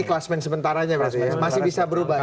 ini klasmen sementaranya berarti ya masih bisa berubah ya